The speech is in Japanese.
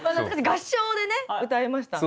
合唱でね歌いました。